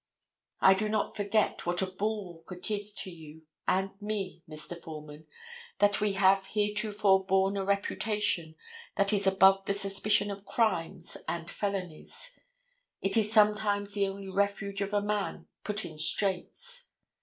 I do not forget what a bulwark it is to you and me, Mr. Foreman, that we have heretofore borne a reputation that is above the suspicion of crimes and felonies. It is sometimes the only refuge of a man put in straits.